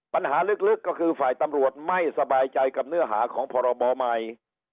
ปัญหาลึกก็คือฝ่ายตำรวจไม่สบายใจกับเนื้อหาของพรบใหม่